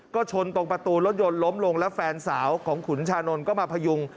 ก็ชนตรงประตูรถยนต์ล้มลงแล้วแฟนสาวของขุนชานนท์ก็มาพยุง